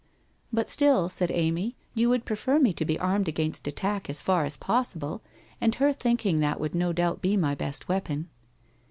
'' But still,' said Amy, ' you would prefer me to be armed against attack as far as possible, and her thinking that would no doubt be my best weapon.'